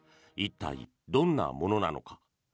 一体、どんなものなのか。